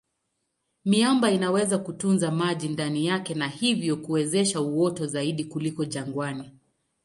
Miamba inaweza kutunza maji ndani yake na hivyo kuwezesha uoto zaidi kuliko jangwani.